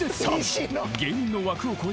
［芸人の枠を超えた存在